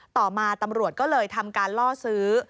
ต่อมาตำรวจก็เลยทำการล่อซื้อ